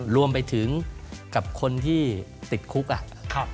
รวมไปถึงกับคนที่ติดคุกอ่ะ